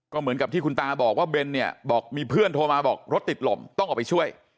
ก็เหมือนกับที่คุณตาบอกว่าเบนเนี่ยบอกมีเพื่อนโทรมาบอกรถติดลมต้องออกไปช่วย